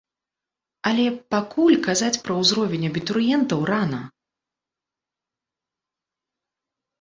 Але пакуль казаць пра ўзровень абітурыентаў рана.